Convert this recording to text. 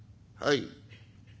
「はい。